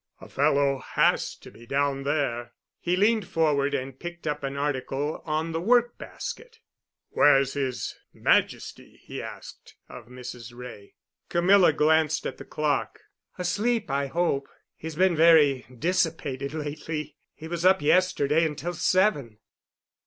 A fellow has to be down there." He leaned forward and picked up an article on the work basket. "Where's His Majesty?" he asked of Mrs. Wray. Camilla glanced at the clock. "Asleep, I hope. He's been very dissipated lately. He was up yesterday until seven."